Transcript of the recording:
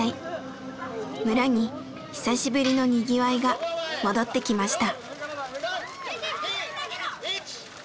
村に久しぶりのにぎわいが戻ってきました。